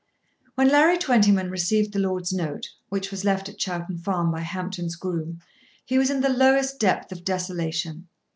When Larry Twentyman received the lord's note, which was left at Chowton Farm by Hampton's groom, he was in the lowest depth of desolation.